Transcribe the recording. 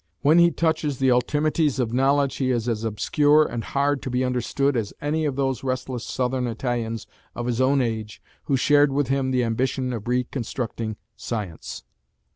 When he touches the "ultimities" of knowledge he is as obscure and hard to be understood as any of those restless Southern Italians of his own age, who shared with him the ambition of reconstructing science.